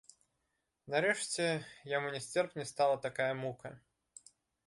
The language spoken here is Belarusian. Нарэшце яму нясцерпнай стала такая мука.